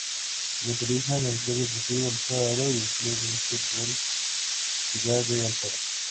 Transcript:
Lo utilizan el Club Deportivo Alfaro y el Club de Fútbol Ciudad de Alfaro.